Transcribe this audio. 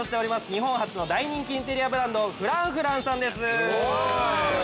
日本初の大人気インテリアブランドフランフランさんです。